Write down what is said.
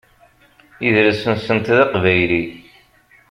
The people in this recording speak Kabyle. Idles-nsent d aqbayli.